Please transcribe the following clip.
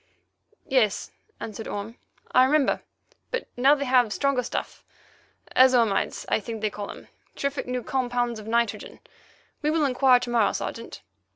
"Yes," answered Orme; "I remember; but now they have stronger stuffs—azo imides, I think they call them—terrific new compounds of nitrogen. We will inquire to morrow, Sergeant."